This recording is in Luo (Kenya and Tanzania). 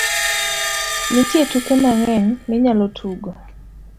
Nitie tuke mang'eny minyalo tugo.